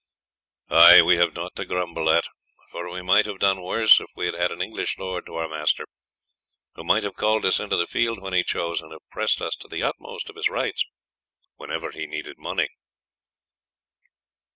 "Ay, we have nought to grumble at, for we might have done worse if we had had an English lord for our master, who might have called us into the field when he chose, and have pressed us to the utmost of his rights whenever he needed money."